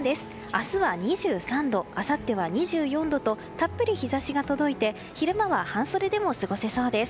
明日は２３度あさっては２４度とたっぷり日差しが届いて昼間は半袖でも過ごせそうです。